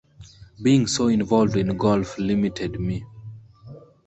Being so involved in golf limited me.